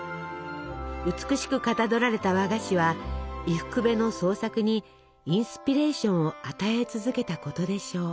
美しくかたどられた和菓子は伊福部の創作にインスピレーションを与え続けたことでしょう。